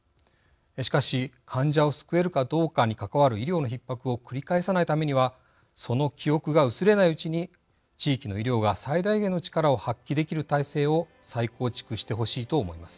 しかし患者を救えるかどうかに関わる医療のひっ迫を繰り返さないためにはその記憶が薄れないうちに地域の医療が最大限の力を発揮できる体制を再構築してほしいと思います。